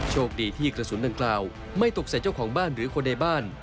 โชคดีที่กระสุนดังกล่าวไม่ตกใส่เจ้าของบ้านหรือคนในบ้าน